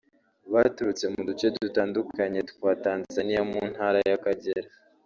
Baturutse mu duce dutandukanye twa Tanzaniya mu ntara ya Kagera